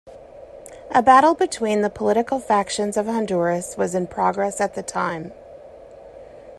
A battle between the political factions of Honduras was in progress at the time.